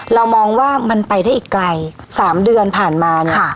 เรามองว่ามันไปได้อีกไกล๓เดือนผ่านมาเนี่ย